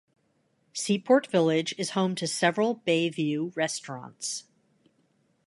Seaport Village is home to several bay-view restaurants.